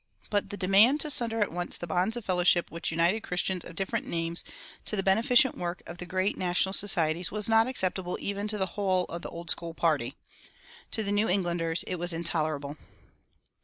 But the demand to sunder at once the bonds of fellowship which united Christians of different names in the beneficent work of the great national societies was not acceptable even to the whole of the Old School party. To the New Englanders it was intolerable.